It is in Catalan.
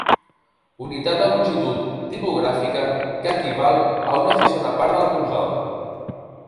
Unitat de longitud tipogràfica que equival a una sisena part de la polzada.